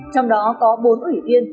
trong đó có bốn ủy viên